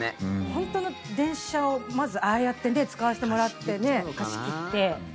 本当の電車をまずああやって使わせてもらって貸し切って。